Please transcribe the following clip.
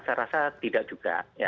saya rasa tidak juga